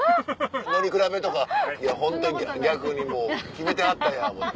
乗り比べとかホントに逆にもう決めてはったんや思って。